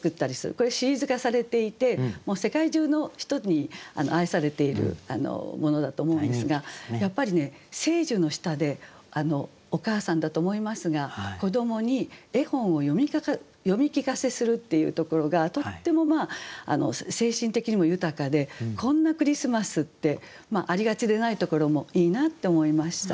これシリーズ化されていてもう世界中の人に愛されているものだと思うんですがやっぱりね聖樹の下でお母さんだと思いますが子どもに絵本を読み聞かせするっていうところがとっても精神的にも豊かでこんなクリスマスってありがちでないところもいいなって思いました。